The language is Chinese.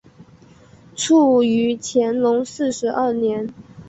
卒于乾隆四十二年。